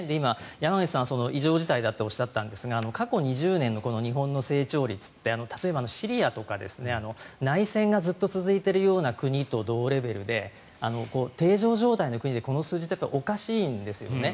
山口さん、異常事態だとおっしゃったんですが過去２０年の日本の成長率って例えばシリアとか内戦がずっと続いているような国と同レベルで定常状態の国でこの数字っておかしいんですよね。